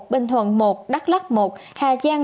bình thuận một đắk lắc một hà giang một